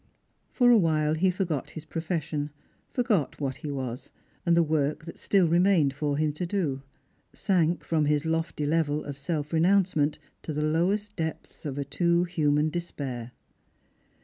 For a while he forgot his profession ; forgot what he was, and the work that still remained for him to do ; sank from his lofty level of self renouncement to the lowest depths of a too human despair.